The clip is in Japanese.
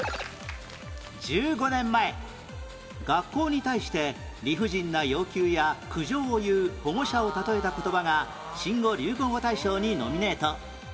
１５年前学校に対して理不尽な要求や苦情を言う保護者を例えた言葉が新語・流行語大賞にノミネート